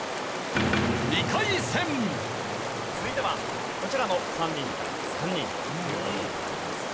続いてはこちらの３人対３人という事になりますね。